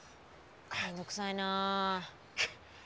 めんどくさいな。